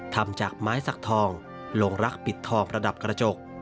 ทำจากไม้สักทองลงรักปิดทองประดับกระจก